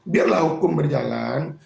biarlah hukum berjalan